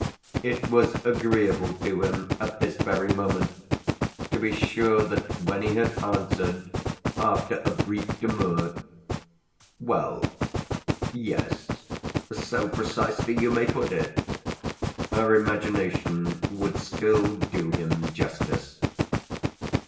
It was agreeable to him at this very moment to be sure that when he had answered, after a brief demur, "Well, yes; so, precisely, you may put it!" her imagination would still do him justice.